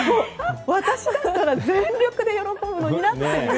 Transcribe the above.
私だったら全力で喜ぶのになという。